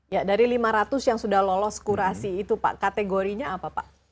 ya dari lima ratus yang sudah lolos kurasi itu pak kategorinya apa pak